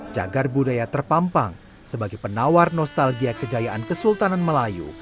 jagar budaya terpampang sebagai penawar nostalgia kejayaan kesultanan melayu